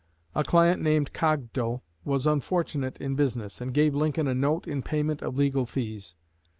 A client named Cogdal was unfortunate in business, and gave Lincoln a note in payment of legal fees.